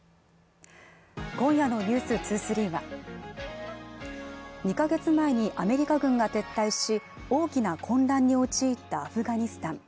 今夜の「ｎｅｗｓ２３」は２カ月前にアメリカ軍が撤退し、大きな混乱に陥ったアフガニスタン。